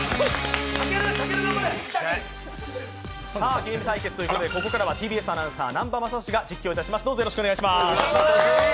ゲーム対決ということで、ここからはＴＢＳアナウンサー、南波雅俊が実況いたします。